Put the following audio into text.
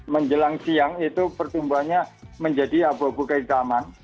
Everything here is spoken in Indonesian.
menjelang siang itu pertumbuhannya menjadi abu abu kait aman